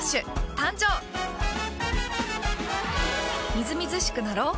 みずみずしくなろう。